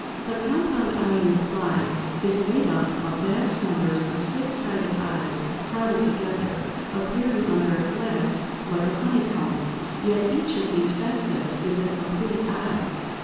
The compound eye in the fly is made up of vast numbers of six sided eyes crowded together, appearing under a glass like a honeycomb; yet each of these facets is a complete eye.